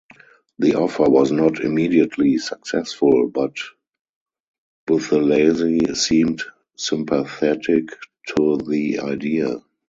The offer was not immediately successful, but Buthelezi seemed sympathetic to the idea.